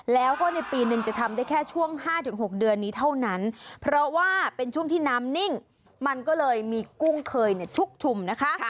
แล้วก็ในปีหนึ่งจะทำได้แค่ช่วง๕๖เดือนนี้เท่านั้นเพราะว่าเป็นช่วงที่น้ำนิ่งมันก็เลยมีกุ้งเคยชุกชุมนะคะ